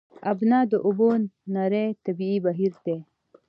ابنا د اوبو نری طبیعي بهیر دی.